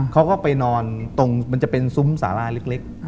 เขาก็ไปนอนตรงมันจะเป็นซุ้มสาลาเล็ก